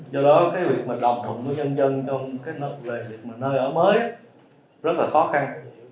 do đó cái việc mà đồng thụ của nhân dân trong cái nơi ở mới rất là khó khăn